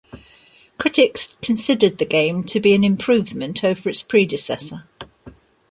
Critics considered the game to be an improvement over its predecessor.